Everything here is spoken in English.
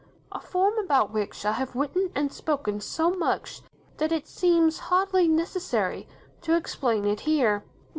A form about which I have written and spoken so much that it seems hardly necessary to explain it here.